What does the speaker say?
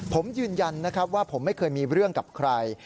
ผมยืนยันนะครับว่าผมไม่เคยมีเรื่องกับใคร